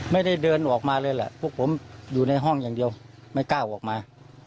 ไม่ได้เดินออกมาเลยแหละพวกผมอยู่ในห้องอย่างเดียวไม่กล้าออกมา